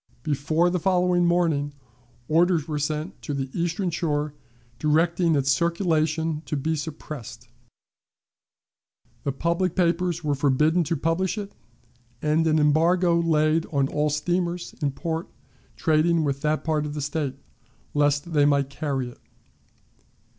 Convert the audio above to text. Before the following morning, orders were sent to the Eastern Shore, directing its circulation to be suppressed; the public papers were forbidden to publish it, and an embargo laid on all steamers in port trading with that part of the State, lest they might carry it.